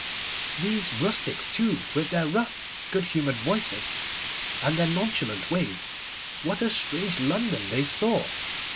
These rustics, too, with their rough, good humoured voices, and their nonchalant ways, what a strange London they saw!